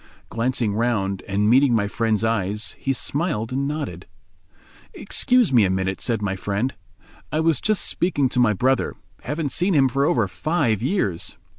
Glancing round, and meeting my friend's eyes, he smiled and nodded. "Excuse me a minute," said my friend, "I must just speak to my brother—haven't seen him for over five years."